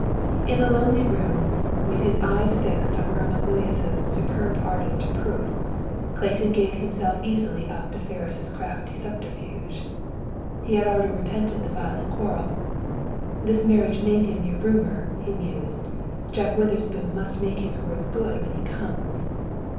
In the lonely rooms, with his eyes fixed on Irma Gluyas' superb artist proof, Clayton gave himself easily up to Ferris' crafty subterfuge. He had already repented the violent quarrel. "This marriage may be a mere rumor," he mused. "Jack Witherspoon must make his words good when he comes."